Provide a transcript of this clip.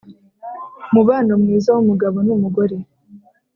umubano mwiza w’umugabo n’umugore.